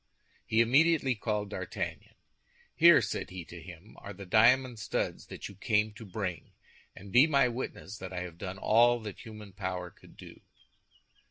He immediately called D'Artagnan. "Here," said he to him, "are the diamond studs that you came to bring; and be my witness that I have done all that human power could do."